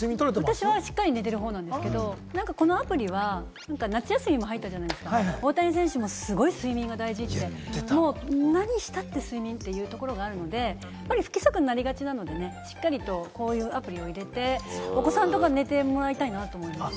私は結構、眠れているほうなんですけれども、このアプリは夏休みも入って、大谷選手もすごく睡眠が大事っておっしゃってて、何したって睡眠というところがあるんで、不規則になりがちなのでね、しっかりとこういうアプリを入れて、お子さんとかに寝てもらいたいなと思います。